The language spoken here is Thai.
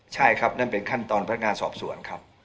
ใช่ครับนั่นเป็นขั้นตอนพนักงานสอบสวนครับ